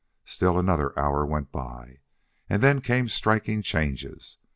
Still another hour went by. And then came striking changes.